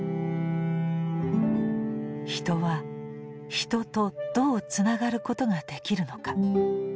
人は人とどうつながることができるのか？